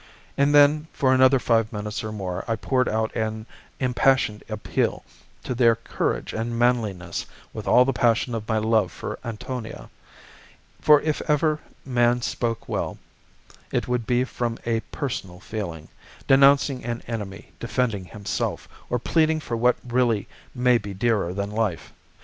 And then for another five minutes or more I poured out an impassioned appeal to their courage and manliness, with all the passion of my love for Antonia. For if ever man spoke well, it would be from a personal feeling, denouncing an enemy, defending himself, or pleading for what really may be dearer than life.